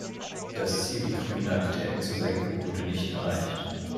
Das Ziel, die Kriminalität zu senken, wurde nicht erreicht.